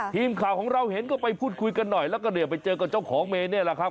ทีมข่าวของเราเห็นก็ไปพูดคุยกันหน่อยแล้วก็เนี่ยไปเจอกับเจ้าของเมนนี่แหละครับ